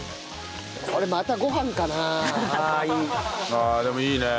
ああでもいいねえ。